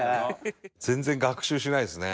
「全然学習しないですね」